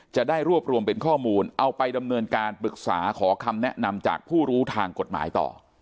จะได้รวบรวมเป็นข้อมูลเอาไปดำเนินการปรึกษาขอคำแนะนำจากผู้รู้ทางกฎหมายต่อ